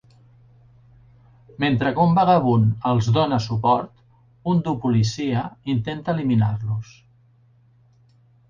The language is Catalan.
Mentre que un vagabund els hi dóna suport, un dur policia intenta eliminar-los.